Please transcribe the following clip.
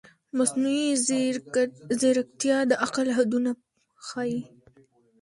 مصنوعي ځیرکتیا د عقل حدونه ښيي.